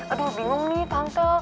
aduh bingung nih tante